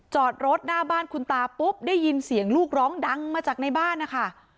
จอดรถหน้าบ้านคุณตาปุ๊บได้ยินเสียงลูกร้องดังมาจากในบ้านนะคะ